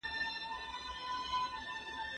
له سیاست تر اقتصاد هر څه پکې شته.